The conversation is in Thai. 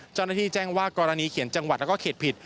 เจ้าหน้าที่แจ้งว่ากรณีเขียนจังหวัดแล้วก็เขตผิด